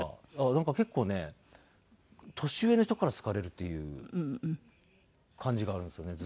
なんか結構ね年上の人から好かれるっていう感じがあるんですよね